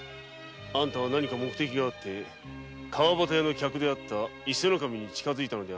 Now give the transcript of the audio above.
あんたは何か目的があって川端屋の客伊勢守に近づいたのでは？